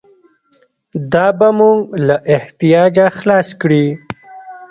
دا به موږ له احتیاجه خلاص کړي.